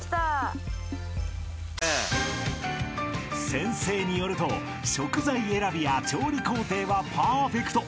［先生によると食材選びや調理工程はパーフェクト］